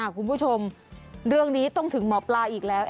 คุณผู้ชมเรื่องนี้ต้องถึงหมอปลาอีกแล้ว